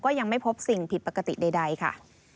ก็ยังไม่พบสิ่งผิดปกติใดค่ะ